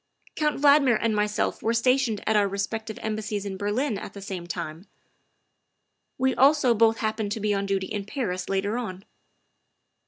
" Count Valdmir and myself were stationed at our respective Embassies in Berlin at the same time; we also both happened to be on duty in Paris later on.